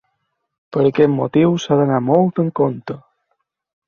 Per aquest motiu s’ha d’anar molt amb compte.